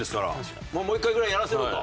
もう１回ぐらいやらせろと。